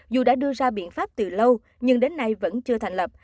dù đã đưa ra biện pháp từ lâu nhưng đến nay vẫn chưa thành lập